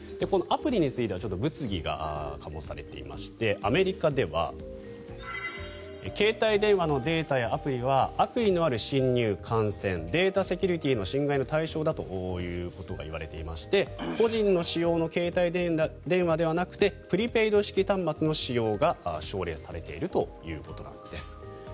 このアプリについてはちょっと物議が醸されていましてアメリカでは携帯電話のデータやアプリは悪意のある侵入・感染データセキュリティーの侵害の対象だということが言われていまして個人の使用の携帯電話ではなくてプリペイド式端末の使用が奨励されているということなんです。